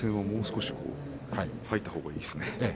もう少し掃いたほうがいいですね。